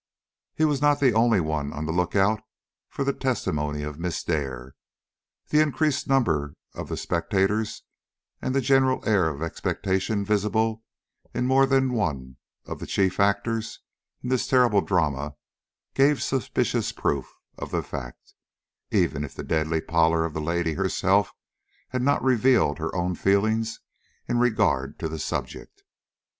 He was not the only one on the look out for the testimony of Miss Dare. The increased number of the spectators and the general air of expectation visible in more than one of the chief actors in this terrible drama gave suspicious proof of the fact; even if the deadly pallor of the lady herself had not revealed her own feelings in regard to the subject.